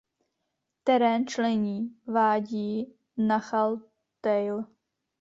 Terén člení vádí Nachal Tale.